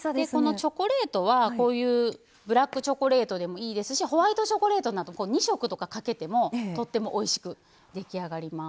チョコレートはブラックチョコレートでもいいですしホワイトチョコレートでも２色とかかけてもとってもおいしく出来上がります。